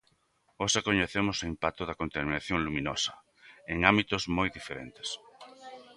Hoxe coñecemos o impacto da contaminación luminosa en ámbitos moi diferentes.